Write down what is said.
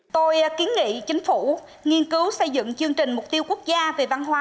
tôi kiến nghị chính phủ nghiên cứu xây dựng chương trình mục tiêu quốc gia về văn hóa